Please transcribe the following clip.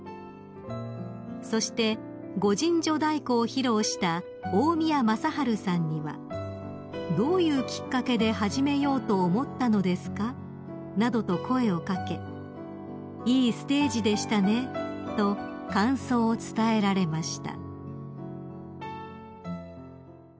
［そして御陣乗太鼓を披露した大宮正晴さんには「どういうきっかけで始めようと思ったのですか？」などと声を掛け「いいステージでしたね」と感想を伝えられました］